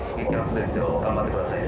頑張ってくださいね。